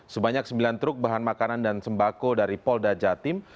sebanyak sembilan truk bahan makanan dan sembako dari polda jatim